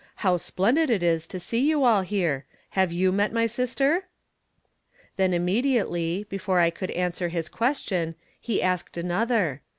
How splendid it is to see you all here ! Have you met my sister ?" Then, immediately, before I could answer his question, he asked another.